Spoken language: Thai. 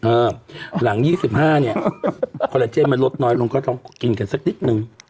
หลัง๒๕เนี่ยคอลลาเจนมันลดน้อยลงก็ต้องกินกันสักนิดนึง